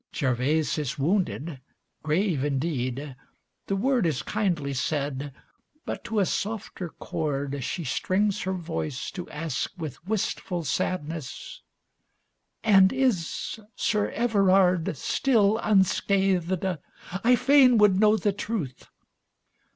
Gervase is wounded, grave indeed, the word Is kindly said, but to a softer chord She strings her voice to ask with wistful sadness, XVIII "And is Sir Everard still unscathed? I fain Would know the truth."